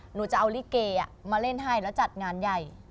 หนูจะเอาลิเกมาเล่นให้แล้วจัดงานใหญ่